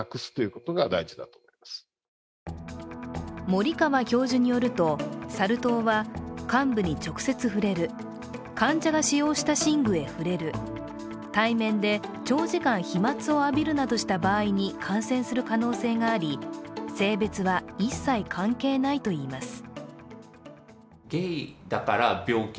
森川教授によると、サル痘は患部に直接触れる、患者が使用した寝具に触れる対面で長時間、飛まつを浴びるなどした場合に感染する可能性があり、性別は一切関係ないといいます。